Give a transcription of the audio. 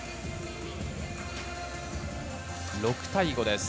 ６対５です。